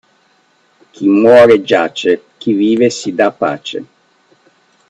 Chi muore giace, chi vive si dà pace.